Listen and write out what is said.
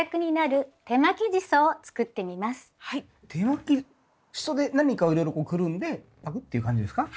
手巻きシソで何かをいろいろくるんでパクッていう感じですか？